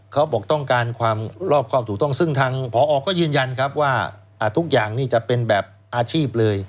เขาบอกต้องการรอบครอบถูกต้องซึ่งทางผอก็เย็นว่าทุกอย่างจะเป็นแบบอาชีพเลย